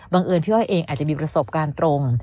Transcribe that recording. เอิญพี่อ้อยเองอาจจะมีประสบการณ์ตรง